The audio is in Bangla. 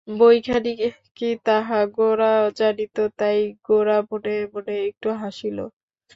বইখানি কী তাহা গোরা জানিত, তাই গোরা মনে মনে একটু হাসিল।